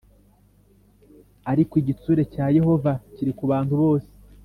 ariko igitsure cya Yehova kiri kubantu bose